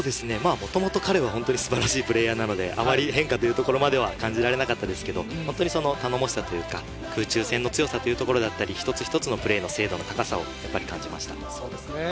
もともと彼は素晴らしいプレーヤーなので、変化というところまでは感じられなかったですけど頼もしさというか、空中戦の強さというところだったり、一つ一つのプレーの精度の高さを感じました。